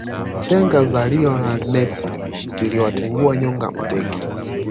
chenga za lionel mesi ziliwatengua nyonga mabeki